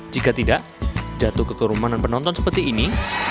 jika tidak jatuh kekerumanan penonton seperti ini